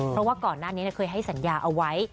เพราะว่าก่อนหน้านี้เคยให้สัญญาเอาไว้